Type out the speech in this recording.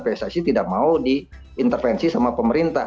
pssi tidak mau diintervensi sama pemerintah